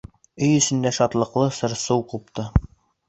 Өй эсендә шатлыҡлы сыр-сыу ҡупты.